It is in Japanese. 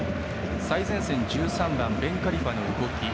最前線の１３番ベンカリファの動き